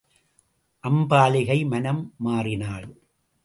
அம்பாலிகை மனம் மாறினாள்.